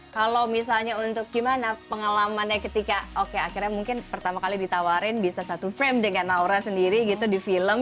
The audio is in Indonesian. kalau misalnya untuk gimana pengalamannya ketika oke akhirnya mungkin pertama kali ditawarin bisa satu frame dengan naura sendiri gitu di film